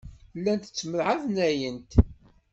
Llant ttemɛetnayent.